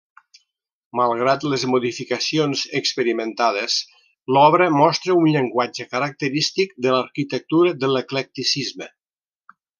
Malgrat les modificacions experimentades, l'obra mostra un llenguatge característic de l'arquitectura de l'eclecticisme.